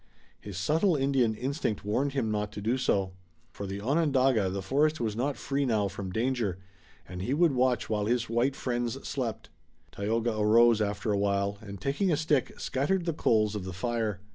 His subtle Indian instinct warned him not to do so. For the Onondaga the forest was not free now from danger, and he would watch while his white friends slept. Tayoga arose, after a while, and taking a stick, scattered the coals of the fire.